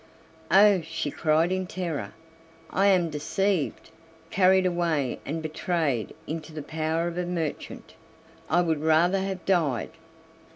"Oh!" she cried in terror, "I am deceived, carried away and betrayed into the power of a merchant; I would rather have died!"